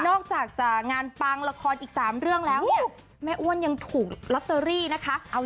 อกจากจะงานปังละครอีก๓เรื่องแล้วเนี่ยแม่อ้วนยังถูกลอตเตอรี่นะคะ